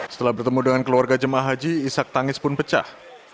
setelah bertemu dengan keluarga jemaah haji isak tangis pun pecah